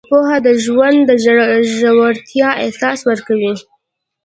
پوهه د ژوند د ژورتیا احساس ورکوي.